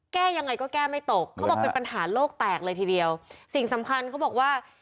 แก้ยังไงก็แก้ไม่ตกเขาบอกเป็นปัญหาโลกแตกเลยทีเดียวสิ่งสำคัญเขาบอกว่า